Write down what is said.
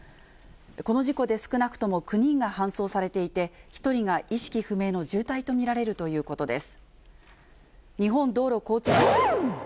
この事故で少なくとも９人が搬送されていて、１人が意識不明の重体と見られるということです。